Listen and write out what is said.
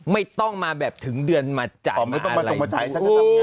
ไม่ต้องมาแบบถึงเดือนมาจ่ายมาอะไรดู